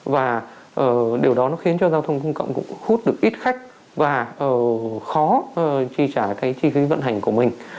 và điều đó nó khiến cho giao thông công cộng cũng hút được ít khách và khó chi trả cái chi phí vận hành của mình